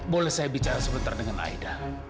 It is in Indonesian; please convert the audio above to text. boleh saya bicara sebentar dengan aida